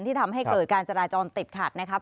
ที่ทำให้เกิดการจราจรติดขัดนะครับ